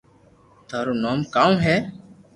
ٿارو نوم ڪاؤ ھي